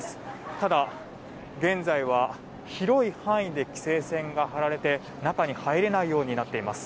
ただ、現在は広い範囲で規制線が張られて中に入れないようになっています。